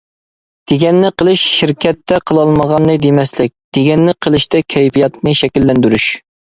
دېگەننى قىلىش شىركەتتە قىلالمىغاننى دېمەسلىك، دېگەننى قىلىشتەك كەيپىياتنى شەكىللەندۈرۈش.